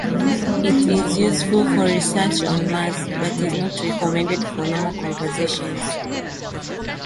It is useful for research on Mars, but is not recommended for normal conversations.